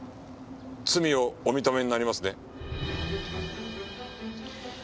罪をお認めになりますね？